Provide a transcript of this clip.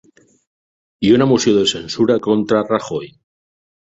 Hi ha una moció de censura contra Rajoy